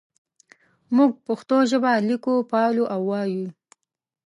موږ پښتو ژبه لیکو پالو او وایو.